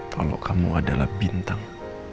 kalau kamu adalah bintang